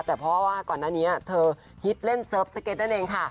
แต่เพราะว่าก่อนหน้านี้เธอฮิตเล่นเซิร์ฟสเก็ตนั่นเองค่ะ